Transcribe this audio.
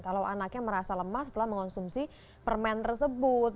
kalau anaknya merasa lemah setelah mengonsumsi permen tersebut